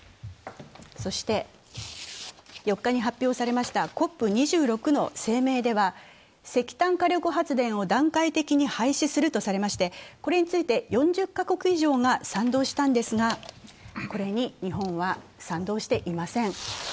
そして４日に発表されました、ＣＯＰ２６の声明では石炭火力発電を段階的に廃止するとされましてこれについて４０カ国以上が賛同したんですがこれに日本は賛同していません。